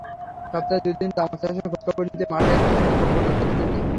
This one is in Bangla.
সপ্তাহে দুদিন তামাক চাষের খোঁজখবর নিতে মাঠে আসে এসব কোম্পানির প্রতিনিধি।